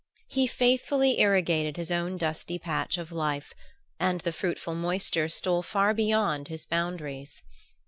He faithfully irrigated his own dusty patch of life, and the fruitful moisture stole far beyond his boundaries.